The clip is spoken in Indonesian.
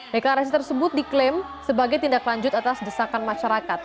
deklarasi tersebut diklaim sebagai tindak lanjut atas desakan masyarakat